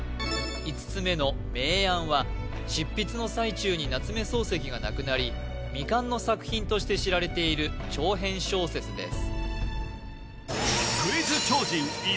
５つめの「明暗」は執筆の最中に夏目漱石が亡くなり未完の作品として知られている長編小説です